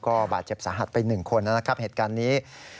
ก็บาดเจ็บสาหัสไป๑คนนะครับเหตุการณ์นี้